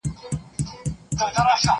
زه پرون مينه څرګنده کړه!